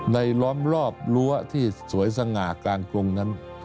ล้อมรอบรั้วที่สวยสง่ากลางกรุงนั้น